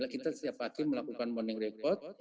kita setiap hakim melakukan morning report